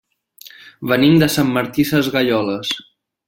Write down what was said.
Venim de Sant Martí Sesgueioles.